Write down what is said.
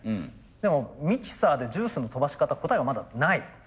でもミキサーでジュースの飛ばし方答えはまだない。